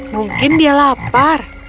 mungkin dia lapar